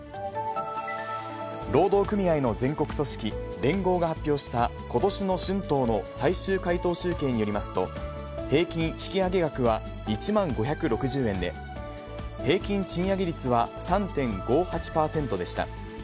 労働組合の全国組織、連合が発表したことしの春闘の最終回答集計によりますと、平均引き上げ額は、１万５６０円で、平均賃上げ率は３．５８％でした。